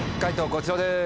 こちらです。